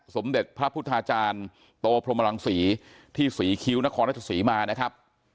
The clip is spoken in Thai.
สมเด็จพระพุทธาจารย์โตพรมรังศรีที่ศรีคิ้วนครราชศรีมานะครับ